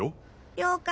了解。